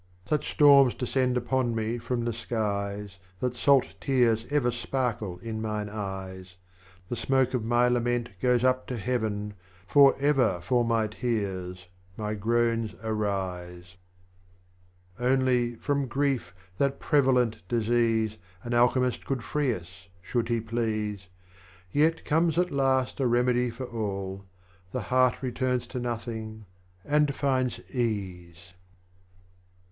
Such Storms descend upon me from the Skies, That salt Tears ever sparkle in mine Eyes ; The Smoke of my Lament goes up to Heaven, For ever fall my Tears, my Groans arise. 47. Only, from Grief, that Prevalent Disease, An Alchemist could free us, should he please. Yet comes at last a Remedy for all, The Heart returns to Nothing, and finds Ease.